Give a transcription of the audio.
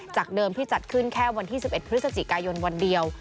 เดิมที่จัดขึ้นแค่วันที่๑๑พฤศจิกายนวันเดียว